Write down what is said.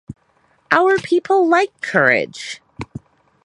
Our people like courage.